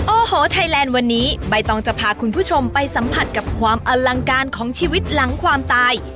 โอ้โหไทยแลนด์วันนี้ใบตองจะพาคุณผู้ชมไปสัมผัสกับความอลังการของชีวิตหลังความตาย